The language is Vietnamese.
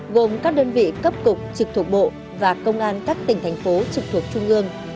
gồm các đơn vị cấp cục trực thuộc bộ và công an các tỉnh thành phố trực thuộc trung ương